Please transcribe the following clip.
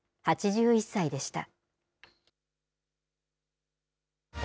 ８１歳でした。